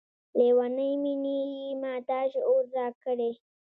لیونۍ میني یې ماته شعور راکړی